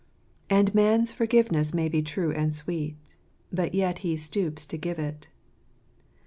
I And man's forgiveness may be true and sweet, | But yet he stoops to give it.